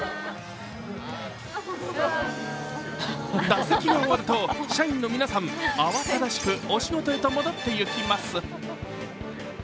打席が終わると、社員の皆さん、慌ただしくお仕事へと戻っていきます。